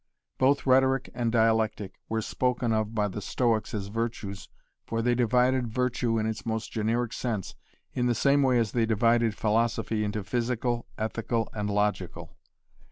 Both rhetoric and dialectic were spoken of by the Stoics as virtues for they divided virtue in its most generic sense in the same way as they divided philosophy into physical, ethical, and logical.